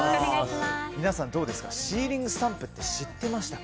皆さん、シーリングスタンプって知ってましたか？